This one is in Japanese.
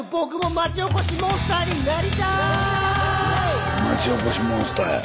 まちおこしモンスターや。